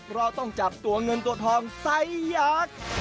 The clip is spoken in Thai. เราต้องจับตัวเงินตัวทองไซส์ยักษ์